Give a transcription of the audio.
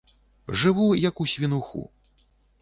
Жыву, як у свінуху.